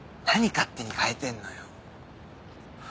勝手に変えてんのよ？